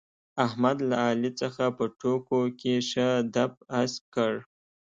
احمد له علي څخه په ټوکو کې ښه دپ اسک کړ.